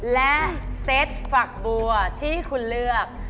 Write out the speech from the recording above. และเซตฝักบัวที่คุณเลือก